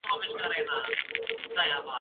تلویزیون خبرونه خپروي.